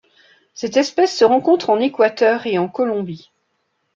Cette espèce se rencontre en Équateur et en Colombie.